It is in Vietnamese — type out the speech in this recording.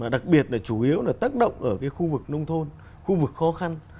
đặc biệt là chủ yếu là tác động ở khu vực nông thôn khu vực khó khăn